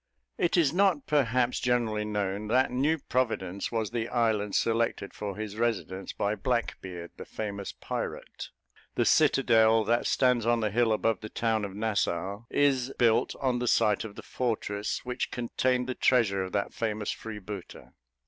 It is not, perhaps, generally known, that New Providence was the island selected for his residence by Blackbeard, the famous pirate; the citadel that stands on the hill above the town of Nassau, is built on the site of the fortress which contained the treasure of that famous freebooter.